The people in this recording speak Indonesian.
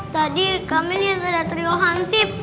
tadi kami lihat ada trio hansip